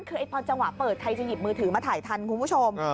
คือพอจังหวะเปิดใครจะหยิบมือถือมาถ่ายทันคุณผู้ชม